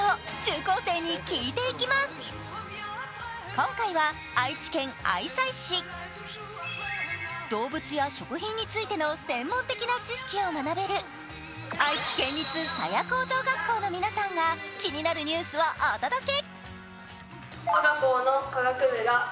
今回は愛知県愛西市、動物や食品についての専門的な知識を学べる愛知県立佐屋高等学校の皆さんが気になるニュースをお届け。